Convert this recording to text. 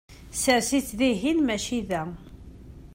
Sers-it dihin, mačči da!